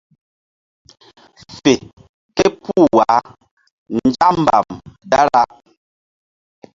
Fe képuh wah nzak mbam dara.